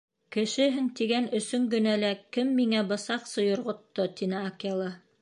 Кешеһең тигән өсөн генә лә кем миңә бысаҡ сойорғотто? — тине Акела.